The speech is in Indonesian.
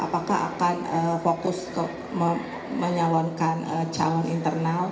apakah akan fokus menyalonkan calon internal